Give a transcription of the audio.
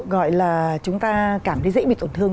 gọi là chúng ta cảm thấy dễ bị tổn thương